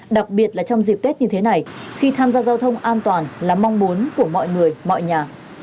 đặc biệt là trong dịp tết như thế này khi tham gia giao thông an toàn là mong muốn của mọi người mọi nhà